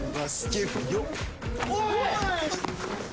おい！